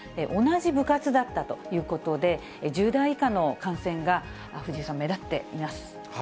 同じ部活だったということで、１０代以下の感染が藤井さん、目立っています。